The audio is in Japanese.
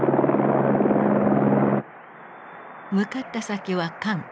向かった先は韓国。